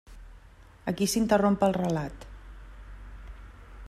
Aquí s'interromp el relat.